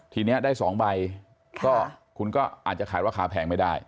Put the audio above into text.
ทีนี้ได้๒ใบก็คุณก็อาจจะขายราคาแพงไม่ได้